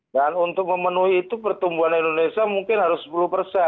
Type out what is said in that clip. dan untuk memenuhi itu pertumbuhan indonesia mungkin harus sepuluh